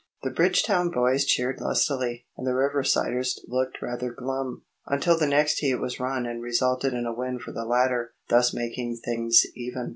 The Bridgetown boys cheered lustily, and the Riversiders looked rather glum, until the next heat was run and resulted in a win for the latter, thus making things even.